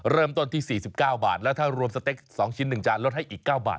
เริ่มต้นที่๔๙บาทแล้วถ้ารวมสเต็ก๒ชิ้น๑จานลดให้อีก๙บาท